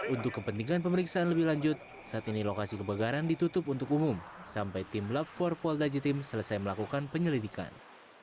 untuk kepentingan pemeriksaan lebih lanjut saat ini lokasi kebakaran ditutup untuk umum sampai tim lab empat polda jatim selesai melakukan penyelidikan